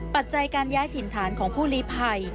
ปัจจัยการย้ายถิ่นฐานของผู้ลีภัย